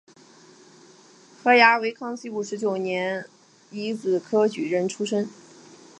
何衢为康熙五十九年庚子科举人出身。